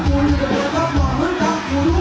ทุกที่ว่าใช่ไหม